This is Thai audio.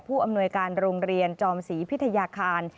อำนวยการโรงเรียนจอมศรีพิทยาคาร